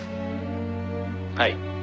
「はい」